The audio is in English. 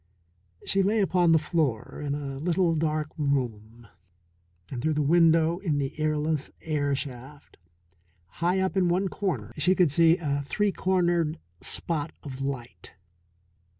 She lay upon the floor in a little dark room, and through the window in the airless air shaft, high up in one corner, she could see a three cornered spot of light.